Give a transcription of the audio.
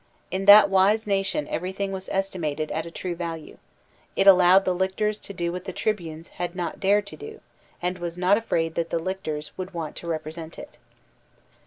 In that wise nation everything was estimated at a true value; it allowed the lictors to do what the tribunes had not dared to do, and was not afraid that the lictors would want to represent it.